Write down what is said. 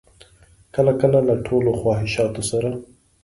کله کله له ټولو خواهشاتو سره.